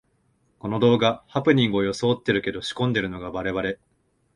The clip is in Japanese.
この動画、ハプニングをよそおってるけど仕込んでるのがバレバレ